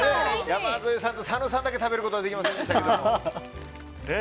山添さんと佐野さんだけ食べることができませんでした。